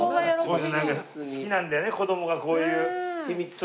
好きなんだよね子どもがこういう。